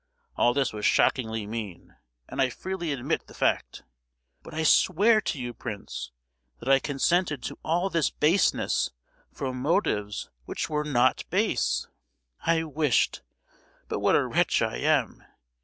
All this was shockingly mean, and I freely admit the fact. But I swear to you, Prince, that I consented to all this baseness from motives which were not base. I wished,—but what a wretch I am!